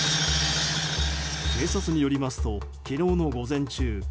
警察によりますと昨日の午前中